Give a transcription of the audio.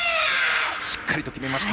しっかり決めました。